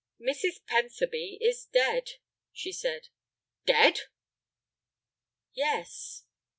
"Mrs. Pentherby is dead," she said. "Dead!" "Yes."